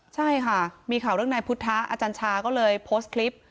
ใช่ค่ะมีข่าวเรื่องนายพุทธอาจารย์ชาก็เลยโพสต์คลิป